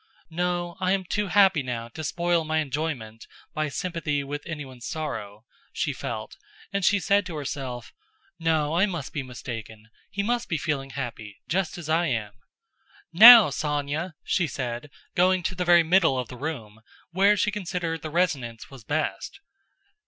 "No, I am too happy now to spoil my enjoyment by sympathy with anyone's sorrow," she felt, and she said to herself: "No, I must be mistaken, he must be feeling happy, just as I am." "Now, Sónya!" she said, going to the very middle of the room, where she considered the resonance was best.